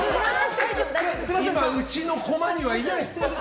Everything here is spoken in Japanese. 今、うちのコマにはいない。